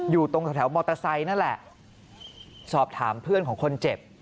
อยู่ตรงแถวมอเตอร์ไซค์นั่นแหละสอบถามเพื่อนของคนเจ็บ